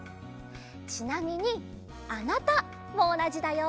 ちなみに「あなた」もおなじだよ。